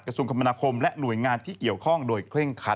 ส่วนคมนาคมและหน่วยงานที่เกี่ยวข้องโดยเคร่งคัด